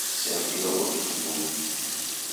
Sea kdombo kifumbunyi.